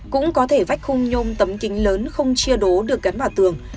cũng có thể vách khung nhôm tấm kính lớn không chia đố được cắn vào tường